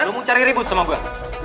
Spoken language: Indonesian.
lo mau cari ribut sama gue